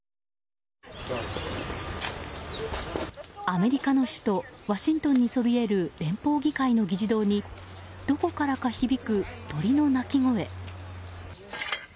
アメリカの首都ワシントンにそびえる連邦議会の議事堂にどこからか響く、鳥の鳴き声。